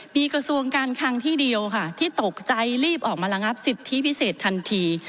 มีกระทรวงการคังที่เดียวค่ะที่ตกใจรีบออกมาระงับสิทธิพิเศษทันที